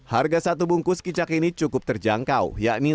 harga satu bungkus kicak ini cukup terjangkau